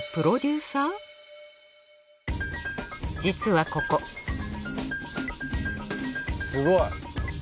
実はここすごい！